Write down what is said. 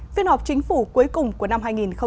phiên họp chính phủ cuối cùng của năm hai nghìn một mươi chín